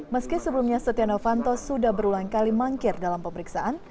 meski sebelumnya setia novanto sudah berulang kali mangkir dalam pemeriksaan